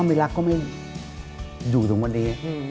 ไม่รักก็ไม่อยู่ถึงวันนี้